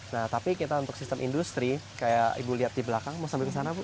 nah tapi kita untuk sistem industri kayak ibu lihat di belakang mau sambil kesana bu